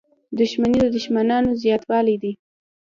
• دښمني د دوښمنانو زیاتوالی دی.